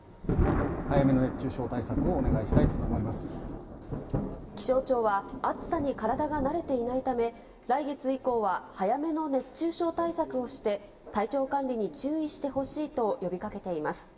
早めの熱中症対策をお願いしたい気象庁は、暑さに体が慣れていないため、来月以降は早めの熱中症対策をして、体調管理に注意してほしいと呼びかけています。